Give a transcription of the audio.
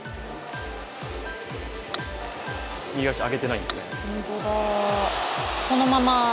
右足、上げていないんですね。